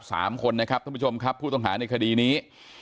สามคนนะครับท่านผู้ชมครับผู้ต้องหาในคดีนี้